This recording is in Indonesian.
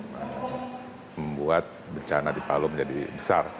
membuat bencana di palu menjadi besar